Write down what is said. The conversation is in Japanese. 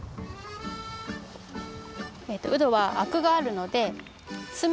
うどはあくがあるのです